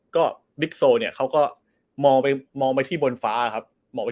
ก็บิ๊กโซลเขาก็มองไปที่บนฟ้าครับ